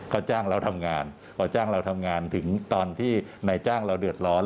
เขาจ้างเราทำงานถึงตอนที่ในจ้างเราเดือดร้อน